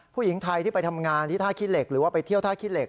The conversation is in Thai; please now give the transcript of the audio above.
ผู้หญิงไทยที่ไปทำงานที่ท่าขี้เหล็กหรือว่าไปเที่ยวท่าขี้เหล็